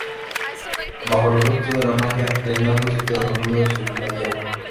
Bajo el efecto de la magia, Reinaldo se queda dormido sobre la hierba.